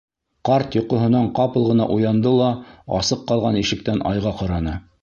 Ҡарт йоҡоһонан ҡапыл ғына уянды ла асыҡ ҡалған ишектән айға ҡараны.